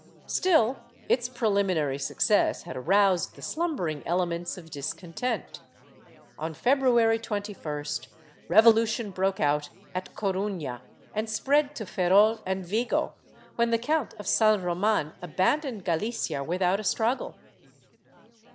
Still, its preliminary success had aroused the slumbering ele ments of discontent. On February 21st revolution broke out at Chap. I] REVOLUTION ACCOMPLISHED 435 Coruna and spread to Ferrol and Vigo, when the Count of San Roman abandoned Galicia without a struggle.